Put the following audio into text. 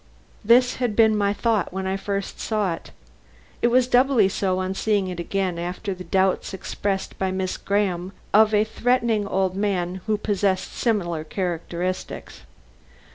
This had been my thought when I first saw it. It was doubly so on seeing it again after the doubts expressed by Miss Graham of a threatening old man who possessed similar characteristics.